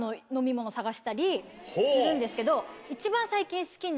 探したりするんですけど。